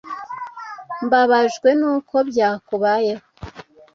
Mbabajwe nuko byakubayeho.